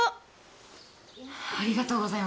ありがとうございます。